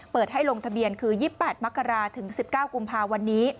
เปิดให้ลงทะเบียนคือ๒๘มกราถึง๑๙กุมภาวันนี้